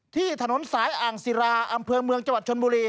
ที่ถนนสายอ่างศิราอำเภอเมืองจังหวัดชนบุรี